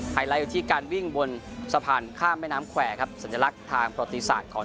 ไลท์อยู่ที่การวิ่งบนสะพานข้ามแม่น้ำแขวครับสัญลักษณ์ทางประติศาสตร์ของ